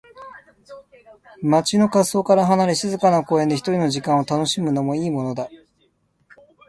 街の喧騒から離れ、静かな公園で一人の時間を楽しむのもいいものだ。ベンチに座り、本を読むか、ただ空を眺めながら深呼吸することで、日常のストレスがほどけていく。